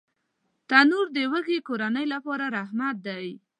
تنور د وږې کورنۍ لپاره رحمت دی